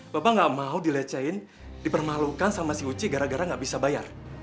bapak nggak mau dilecehin dipermalukan sama si uci gara gara gak bisa bayar